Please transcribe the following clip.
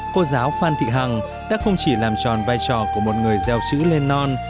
cô giáo phan thị hằng đã không chỉ làm tròn vai trò của một người gieo chữ lên non